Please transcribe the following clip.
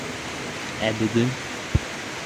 Ә бөгөн!